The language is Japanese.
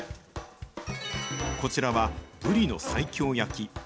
こちらはブリの西京焼き。